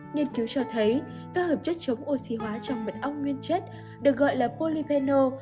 nghiên cứu cho thấy các hợp chất chống oxy hóa trong mật ong nguyên chất được gọi là polypeno